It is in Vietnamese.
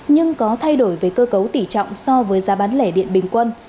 nhưng có thay đổi về cơ cấu tỉ trọng so với giá bán lẻ điện bình quân